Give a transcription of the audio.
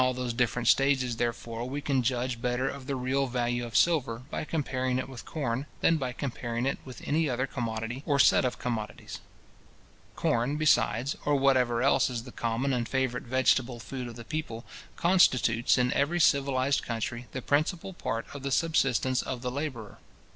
In all those different stages, therefore, we can judge better of the real value of silver, by comparing it with corn, than by comparing it with any other commodity or set of commodities. Corn, besides, or whatever else is the common and favourite vegetable food of the people, constitutes, in every civilized country, the principal part of the subsistence of the labourer.